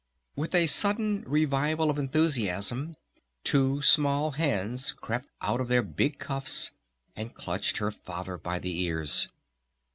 With a sudden revival of enthusiasm two small hands crept out of their big cuffs and clutched her Father by the ears.